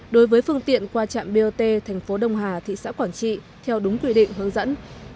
đối với phương tiện qua trạm bot thành phố đông hà thị xã quảng trị theo đúng quy định hướng dẫn